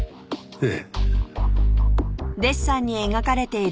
ええ。